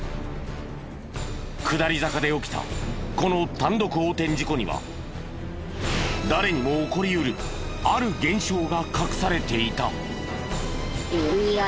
下り坂で起きたこの単独横転事故には誰にも起こり得るある現象が隠されていた。